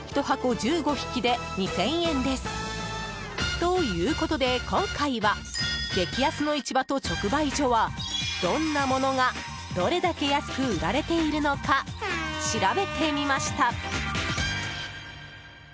１箱１５匹で２０００円です。ということで今回は激安の市場と直売所はどんなものがどれだけ安く売られているのか調べてみました。